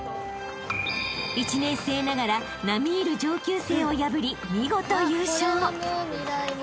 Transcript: ［１年生ながら並み居る上級生を破り見事優勝］